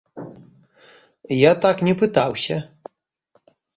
Я так не пытаўся.